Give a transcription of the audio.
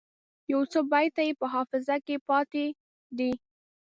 یو څو بیته یې په حافظه کې پاته دي.